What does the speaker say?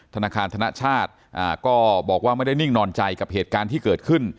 ธนาคารธนชาติก็บอกว่าไม่ได้นิ่งนอนใจกับเหตุการณ์ที่เกิดขึ้น